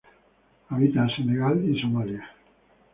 Habita en Senegal y Somalia.